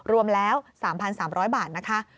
รวมแล้ว๓๓๐๐บาทนะคะ